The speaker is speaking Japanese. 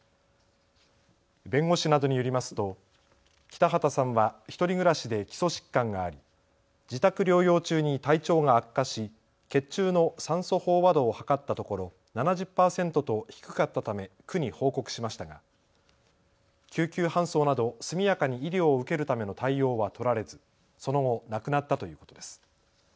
弁護士などによりますと北端さんは１人暮らしで基礎疾患があり自宅療養中に体調が悪化し血中の酸素飽和度を測ったところ７０％と低かったため区に報告しましたが救急搬送など速やかに医療を受けるための対応は取られずその後亡くなったということです。